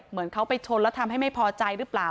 เหมือนเขาไปชนแล้วทำให้ไม่พอใจหรือเปล่า